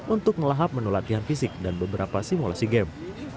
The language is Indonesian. untuk melahap menu latihan fisik dan beberapa simulasi game